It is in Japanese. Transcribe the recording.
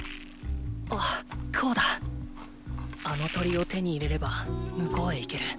あっこうだっあの鳥を手に入れれば向こうへ行ける。